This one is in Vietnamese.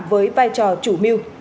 với vai trò chủ mưu